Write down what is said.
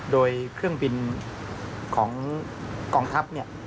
โดยเครื่องบินของกองทัพเนี่ย